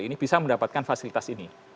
ini bisa mendapatkan fasilitas ini